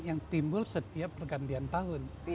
yang timbul setiap pergantian tahun